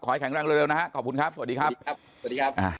ขอให้แข็งแรงเร็วเร็วนะฮะขอบคุณครับสวัสดีครับสวัสดีครับอ่า